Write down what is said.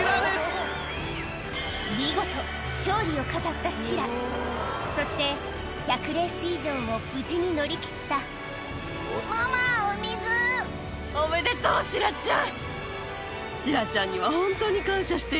見事勝利を飾ったシラそして１００レース以上を無事に乗りきったおめでとうシラちゃん！